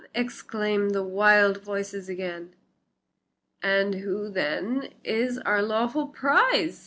exclaimed the wild voices again. "And who, then, is our lawful prize?"